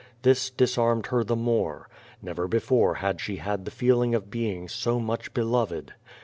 This disarmed her the more. Never before had she had the feeling of being so much beloved.